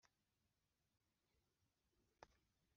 igisubizo kiva ku uwiteka